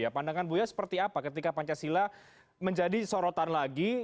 pandangan buya seperti apa ketika pancasila menjadi sorotan lagi